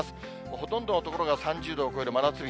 ほとんどの所が３０度を超える真夏日。